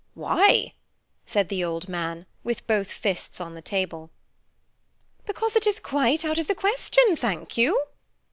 "Why?" said the old man, with both fists on the table. "Because it is quite out of the question, thank you."